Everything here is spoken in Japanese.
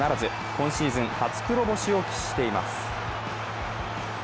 今シーズン初黒星を喫しています。